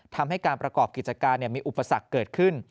ทำให้การประกอบกิจการมีอุปสรรคเกิดขึ้น